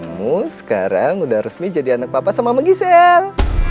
kamu sekarang udah resmi jadi anak papa sama menggisel